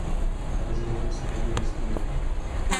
Rozhodl se tedy riskovat.